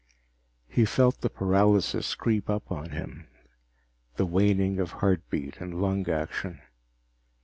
He felt the paralysis creep up on him, the waning of heartbeat and lung action.